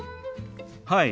はい。